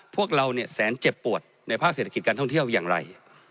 พวกเราเนี่ยแสนเจ็บปวดในภาคเศรษฐกิจการท่องเที่ยวอย่างไร